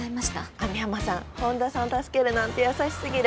網浜さん本田さん助けるなんて優しすぎる。